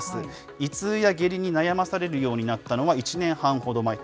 胃痛や下痢に悩まされるようになったのは、１年半ほど前と。